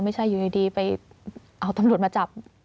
ไม่ใช่อยู่ดีไปเอาตำรวจมาจับ